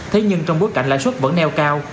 thế nhưng trong bối cảnh lãi suất vẫn neo cao